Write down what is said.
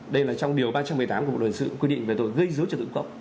đây là trong điều ba trăm một mươi tám của bộ luật đình sự quy định về tội gây dứa cho tự cốc